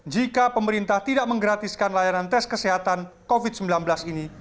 jika pemerintah tidak menggratiskan layanan tes kesehatan covid sembilan belas ini